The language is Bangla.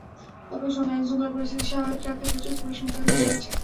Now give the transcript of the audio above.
একই সঙ্গে আইনশৃঙ্খলা পরিস্থিতি স্বাভাবিক রাখতে প্রচুর পুলিশ মোতায়েন করা হয়েছে।